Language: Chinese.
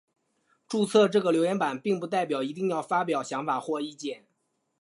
注册这个留言版并不代表一定要发表想法或意见。